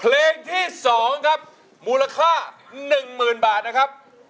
เสียงที่สองครับมูลค่าหนึ่งหมื่นบาทนะครับ